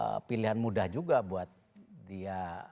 itu pilihan mudah juga buat dia